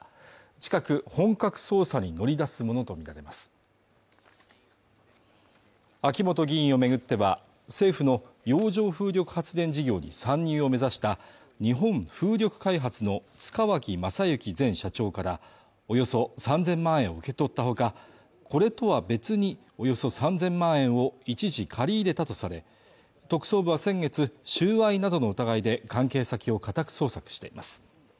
近く本格捜査に乗り出すものと見られます秋本議員を巡っては政府の洋上風力発電事業に参入を目指した日本風力開発の塚脇正幸前社長からおよそ３０００万円を受け取ったほかこれとは別におよそ３０００万円を一時借り入れたとされ特捜部は先月収賄などの疑いで関係先を家宅捜索しています